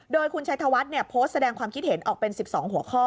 โดยคุณชัยธวัฒน์โพสต์แสดงความคิดเห็นออกเป็น๑๒หัวข้อ